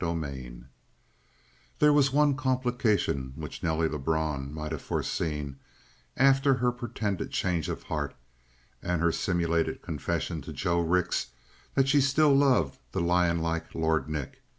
41 There was one complication which Nelly Lebrun might have foreseen after her pretended change of heart and her simulated confession to Joe Rix that she still loved the lionlike Lord Nick.